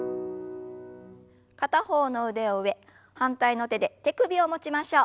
片方の腕を上反対の手で手首を持ちましょう。